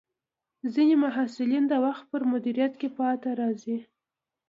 ځینې محصلین د وخت پر مدیریت کې پاتې راځي.